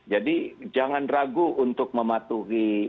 jadi jangan ragu untuk mematuhi